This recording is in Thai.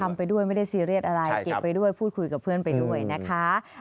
ไปด้วยไม่ได้ซีเรียสอะไรเก็บไปด้วยพูดคุยกับเพื่อนไปด้วยนะคะ